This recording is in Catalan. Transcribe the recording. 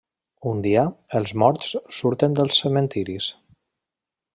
Un dia, els morts surten dels cementiris.